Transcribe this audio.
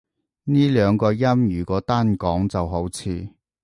呢兩個音如果單講就好似